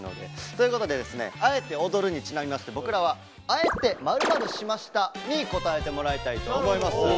ということでですね「アエテオドル」にちなみまして僕らは「あえて○○しました！」に答えてもらいたいと思います。